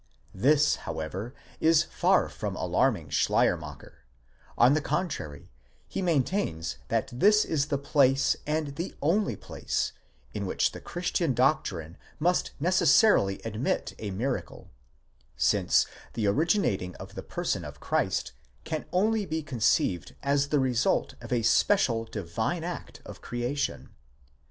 This, however, is far from alarming Schleiermacher; on the contrary, he maintains that this is the place, and the only place, in which the Christian doctrine must necessarily admit a miracle, since the originating of the person of Christ can only be conceived as the result of a special divine act of creation.